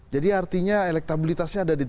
jadi artinya elektabilitasnya ada di